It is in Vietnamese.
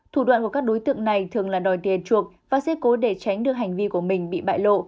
thủ đoạn của các đối tượng này thường là đòi tiền chuộc và xe cố để tránh được hành vi của mình bị bại lộ